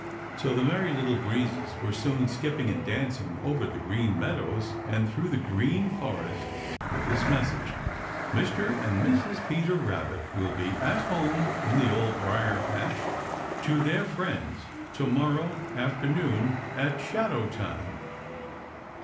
So the Merry Little Breezes were soon skipping and dancing over the Green Meadows and through the Green Forest with this message: "Mr. and Mrs. Peter Rabbit will be at home in the Old Briar patch to their friends to morrow after noon at shadow time."